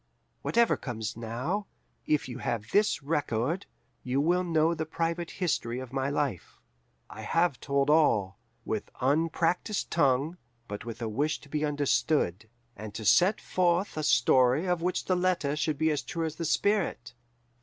"Whatever comes now, if you have this record, you will know the private history of my life.... I have told all, with unpractised tongue, but with a wish to be understood, and to set forth a story of which the letter should be as true as the spirit.